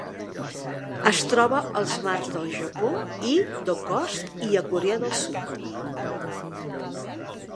Es troba als mars del Japó i d'Okhotsk, i a Corea del Sud.